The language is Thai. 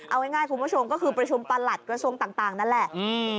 เอาง่ายคุณผู้ชมก็คือประชุมประหลัดกระทรวงต่างนั่นแหละ